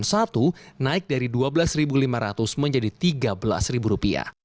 naik dari rp dua belas lima ratus menjadi rp tiga belas